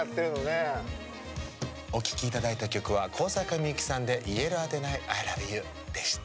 お聴きいただいた曲は香坂みゆきさんで「言えるあてないＩｌｏｖｅｙｏｕ」でした。